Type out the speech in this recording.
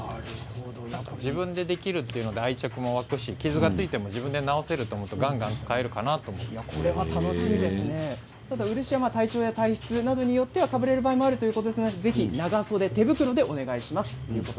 自分でできるということで愛着が湧くし、傷がついても自分で直せると思えばがんがん漆は体調や体質によってはかぶれることがあるということなのでぜひ長袖、手袋でお願いします。